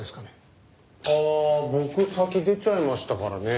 ああ僕先出ちゃいましたからねえ。